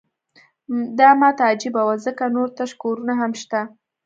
دا ماته عجیبه وه ځکه نور تش کورونه هم شته